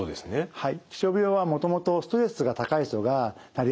はい。